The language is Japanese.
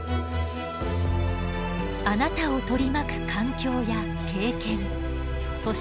あなたを取り巻く環境や経験そして性ホルモン。